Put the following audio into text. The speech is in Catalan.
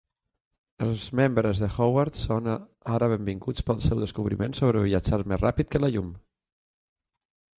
Els membres de Howard són ara benvinguts pel seu descobriment sobre viatjar més ràpid que la llum.